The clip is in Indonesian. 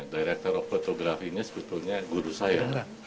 direktur fotografinya sebetulnya guru saya